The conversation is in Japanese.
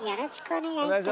お願いします。